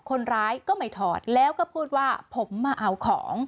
คนร้ายก็ไม่ถอดแล้วก็พูดว่าผมมาเอาของ